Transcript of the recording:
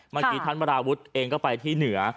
เมื่อกี้ท่านวราวุฒิเองก็ไปที่เหนือ